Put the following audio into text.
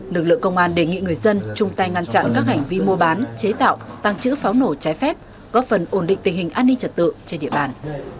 lực lượng công an đề nghị người dân chung tay ngăn chặn các hành vi mua bán chế tạo tăng trữ pháo nổ trái phép góp phần ổn định tình hình an ninh trật tự trên địa bàn